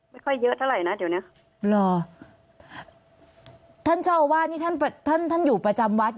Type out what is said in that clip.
ไม่ค่อยเยอะเท่าไหร่นะเดี๋ยวเนี้ยรอท่านเจ้าอาวาสนี่ท่านท่านอยู่ประจำวัด